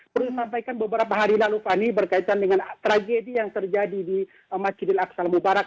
perlu disampaikan beberapa hari lalu fani berkaitan dengan tragedi yang terjadi di masjid al aqsa al mubarak